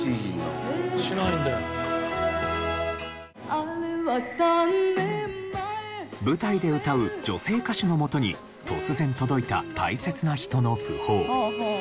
「あれは三年前」舞台で歌う女性歌手のもとに突然届いた大切な人の訃報。